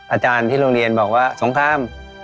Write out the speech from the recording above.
อาจารย์ที่โรงเรียนบอกว่าสงคราม